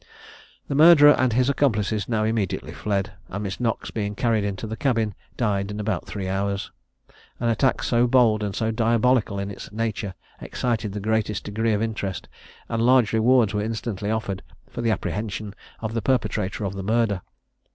The murderer and his accomplices now immediately fled; and Miss Knox being carried into the cabin, died in about three hours. An attack so bold and so diabolical in its nature excited the greatest degree of interest; and large rewards were instantly offered for the apprehension of the perpetrator of the murder.